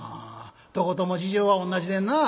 「どことも事情は同じでんな。